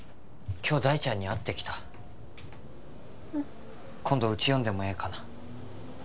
今日大ちゃんに会ってきたうん今度うち呼んでもええかな？